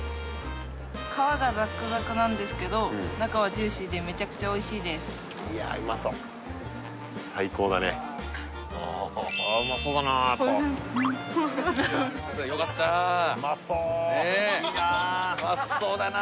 皮がザックザクなんですけど中はジューシーでめちゃくちゃおいしいですいやうまそうああうまそうだなやっぱよかったうまそうだな！